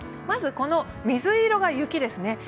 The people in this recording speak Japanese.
まず水色が雪ですね。